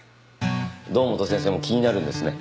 堂本先生も気になるんですね。